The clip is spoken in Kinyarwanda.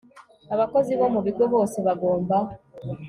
Abakozi bo mu bigo bose bagomba